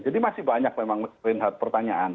jadi masih banyak memang renhat pertanyaan